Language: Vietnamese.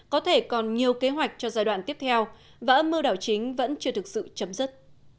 có thể còn nhiều kế hoạch cho giai đoạn tiếp theo và âm mưu đảo chính vẫn chưa thực sự chấm dứt